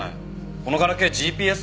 このガラケーＧＰＳ